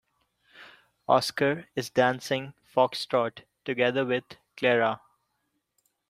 Oscar is dancing foxtrot together with Clara.